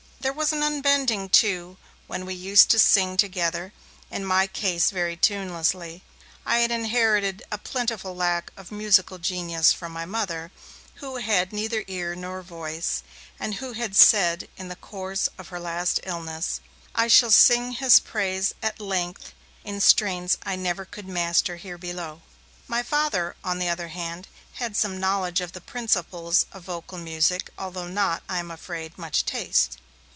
There was an unbending, too, when we used to sing together, in my case very tunelessly. I had inherited a plentiful lack of musical genius from my Mother, who had neither ear nor voice, and who had said, in the course of her last illness, 'I shall sing His praise, at length, in strains I never could master here below'. My Father, on the other hand, had some knowledge of the principles of vocal music, although not, I am afraid, much taste.